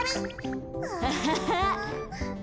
アハハッ。